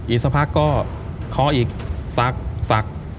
อีกสักพักก็เขาอีกสักสัก